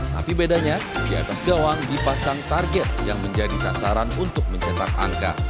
tapi bedanya di atas gawang dipasang target yang menjadi sasaran untuk mencetak angka